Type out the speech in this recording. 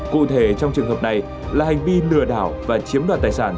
cụ thể trong trường hợp này là hành vi lừa đảo và chiếm đoạt tài sản